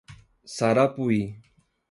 Sarapuí